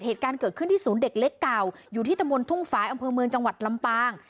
เหตุการณ์เกิดขึ้นที่ศูนย์เด็กเล็กเก่าอยู่ที่ตะมนต์ทุ่งฟ้ายอำเภอเมืองจังหวัดลำปาง